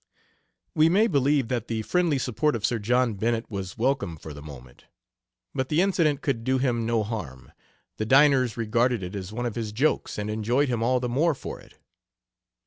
We may believe that the "friendly support" of Sir John Bennett was welcome for the moment. But the incident could do him no harm; the diners regarded it as one of his jokes, and enjoyed him all the more for it.